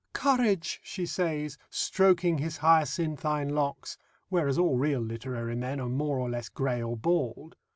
"Courage," she says, stroking his hyacinthine locks (whereas all real literary men are more or less grey or bald).